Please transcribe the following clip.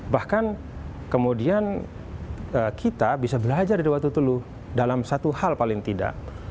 bahkan kemudian kita bisa belajar dari waktu telu dalam satu hal paling tidak